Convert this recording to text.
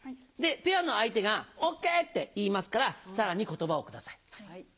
ペアの相手が「ＯＫ！」って言いますからさらに言葉を下さい。